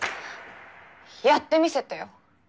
やってみせてよ。